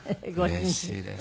うれしいです。